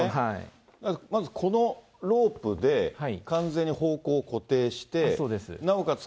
まずこのロープで完全に方向を固定して、なおかつ